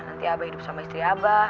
nanti abah hidup sama istri abah